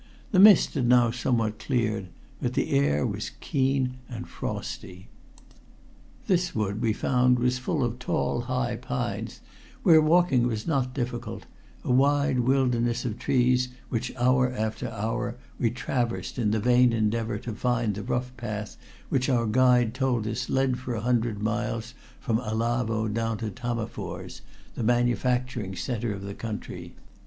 The mist had now somewhat cleared, but the air was keen and frosty. This wood, we found, was of tall high pines, where walking was not difficult, a wide wilderness of trees which, hour after hour, we traversed in the vain endeavor to find the rough path which our guide told us led for a hundred miles from Alavo down to Tammerfors, the manufacturing center of the country.